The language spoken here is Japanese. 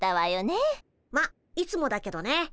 まあいつもだけどね。